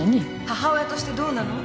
母親としてどうなの？